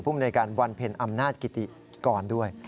ภูมิหน่วยการบรรเพลินอำนาจกิติก่อนด้วย